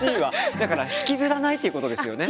だから引きずらないっていうことですよね。